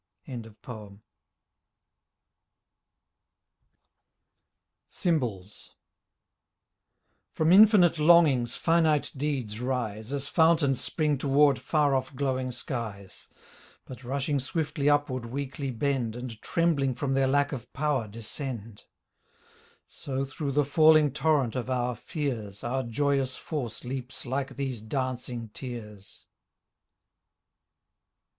37 SYMBOLS From infinite longings finite deeds rise As fountains spring toward far off glowing skies, y(^ But rushing swiftly upward weakly bend And trembling from their lack of power descend — So through the falling torrent of our fears Our joyous force leaps like these dancing tears.